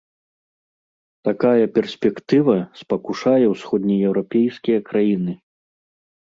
Такая перспектыва спакушае ўсходнееўрапейскія краіны.